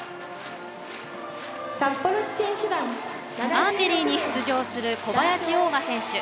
アーチェリーに出場する小林旺雅選手。